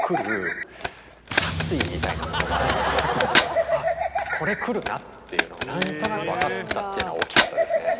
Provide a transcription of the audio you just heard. みたいなものが「あっこれ来るな」っていうのが何となく分かったっていうのはおっきかったですね。